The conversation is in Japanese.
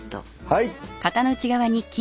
はい！